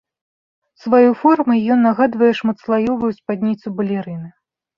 Сваёй формай ён нагадвае шматслаёвую спадніцу балерыны.